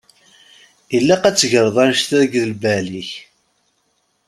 Ilaq ad tegreḍ annect-a g lbal-ik.